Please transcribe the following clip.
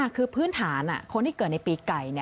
คือพื้นฐานคนที่เกิดในปีไก่